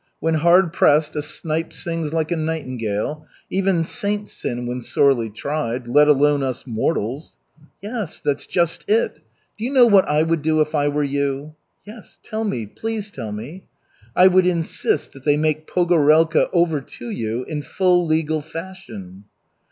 When hard pressed a snipe sings like a nightingale. Even saints sin when sorely tried, let alone us mortals." "Yes, that's just it. Do you know what I would do if I were you?" "Yes, tell me, please tell me." "I would insist that they make Pogorelka over to you in full legal fashion."